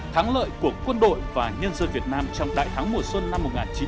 thắng lợi của quân đội và nhân dân việt nam trong đại thắng mùa xuân năm một nghìn chín trăm bảy mươi năm